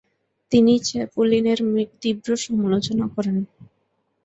তিনি চ্যাপলিনের তীব্র সমালোচনা করেন।